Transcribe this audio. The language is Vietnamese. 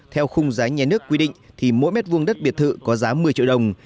theo khung giá nhà nước quy định thì mỗi mét vuông đất biệt thự có giá một mươi triệu đồng